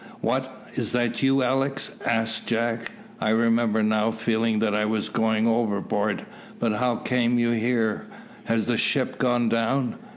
"What! is that you, Alick?" asked jack. "I remember now feeling that I was going overboard; but how came you here? Has the ship gone down?"